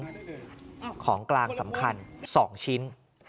ของกลางสำคัญ๒ชิ้น